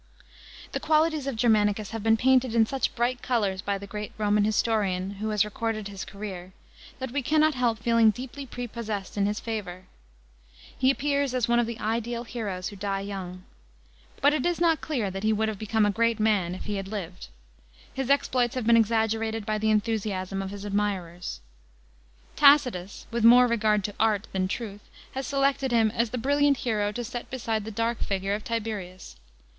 § 15. The qualities of Germanicus have been painted in such bright colours by the great Roman historian who has recorded his career, that we cannot help feeling deeply prepossessed in his favour. He appears as one of the ideal heroes who die young. But it is not clear that he would have become a great man, if he had lived. His exploits have been exaggerated by the enthusiasm of his admirers. 16 A.D. LIBO DRUSUS. 181 Tacitus, with more regard to art than truth, has selected him as the brilliant hero to set beside the dark figure of Tiberius.